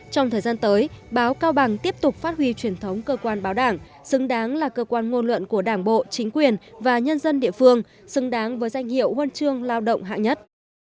trong thời gian tới báo cao bằng tiếp tục phát huy truyền thống cơ quan báo đảng xứng đáng là cơ quan ngôn luận của đảng bộ chính quyền và nhân dân địa phương xứng đáng với danh hiệu huân chương lao động hạng nhất